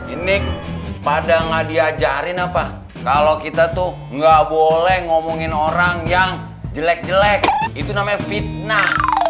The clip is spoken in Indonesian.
ini pada nggak diajarin apa kalau kita tuh gak boleh ngomongin orang yang jelek jelek itu namanya fitnah